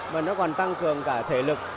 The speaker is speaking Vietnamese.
mà nó còn tăng cường cả thể lực